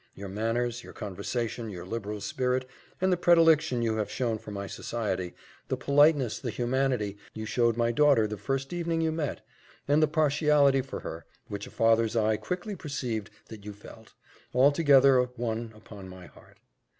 Your manners, your conversation, your liberal spirit, and the predilection you have shown for my society the politeness, the humanity, you showed my daughter the first evening you met and the partiality for her, which a father's eye quickly perceived that you felt, altogether won upon my heart.